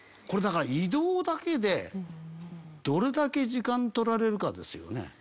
これだから移動だけでどれだけ時間取られるかですよね。